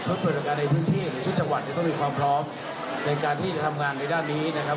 เปิดบริการในพื้นที่หรือชุดจังหวัดเนี่ยต้องมีความพร้อมในการที่จะทำงานในด้านนี้นะครับ